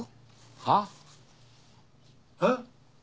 はっ？えっ？